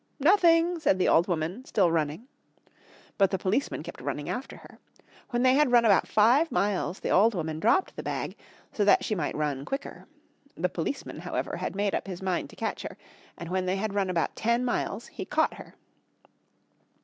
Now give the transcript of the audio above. "Nothing," said the old woman, still running. But the policeman kept running after her. When they had run about five miles the old woman dropped the bag, so that she might run quicker. The policeman, however, had made up his mind to catch her, and when they had run about ten miles he caught her.